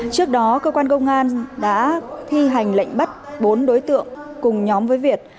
trước đó cơ quan công an đã thi hành lệnh bắt bốn đối tượng cùng nhóm với việt